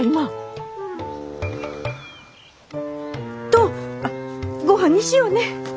とうごはんにしようね。